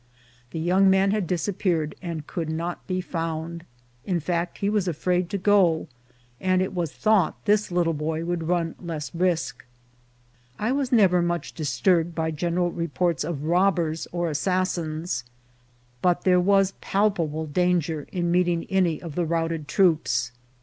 The young man had disappeared and could not be found ; in fact, he was afraid to go, and it was thought this little boy would run less risk. I was never much disturbed by general reports of robbers or assassins, but there was palpable danger in meeting any of the routed troops.